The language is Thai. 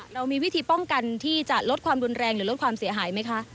เรามีวิธีป้องกันที่จะลดความรุนแรงหรือลดความเสียหายไหมคะ